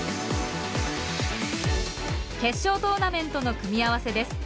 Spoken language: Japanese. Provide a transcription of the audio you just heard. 決勝トーナメントの組み合わせです。